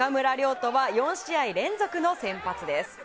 土は４試合連続の先発です。